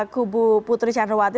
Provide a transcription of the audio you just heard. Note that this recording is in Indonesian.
kubu putri candrawati